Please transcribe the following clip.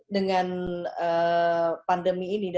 dengan pandemi ini